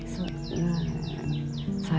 saya tidak ada bagaimana